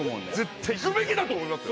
行くべきだと思いますよ。